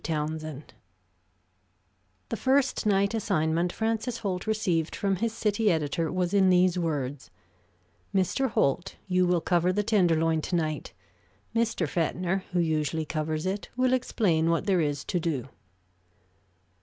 TOWNSEND The first night assignment Francis Holt received from his city editor was in these words: "Mr. Holt, you will cover the Tenderloin to night. Mr. Fetner, who usually covers it, will explain what there is to do."